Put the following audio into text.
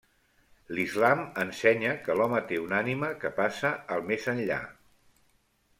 L'islam ensenya que l'home té una ànima que passa al més enllà.